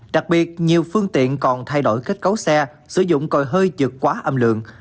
đặc biệt nhiều phương tiện còn thay đổi kết cấu xe sử dụng còi hơi chượt quá âm lượng